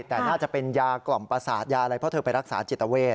แต่น่าจะเป็นยากล่อมประสาทยาอะไรเพราะเธอไปรักษาจิตเวท